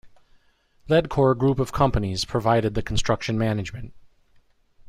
Ledcor Group of Companies provided the Construction Management.